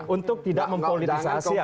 untuk tidak mempolitisasi agar